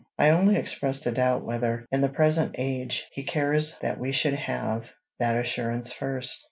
I only expressed a doubt whether, in the present age, he cares that we should have that assurance first.